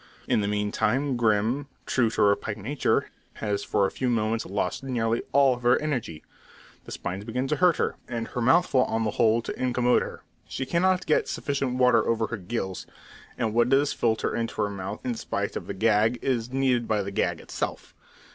In the meantime Grim, true to her pike nature, has for a few moments lost nearly all her energy. The spines begin to hurt her, and her mouthful on the whole to incommode her. She cannot get sufficient water over her gills, and what does filter into her mouth in spite of the gag, is needed by the gag itself.